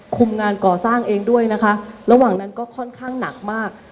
งานก่อสร้างเองด้วยนะคะระหว่างนั้นก็ค่อนข้างหนักมาก